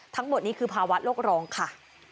ทั้งหมดนี้คือภาวะโลกร้องค่ะ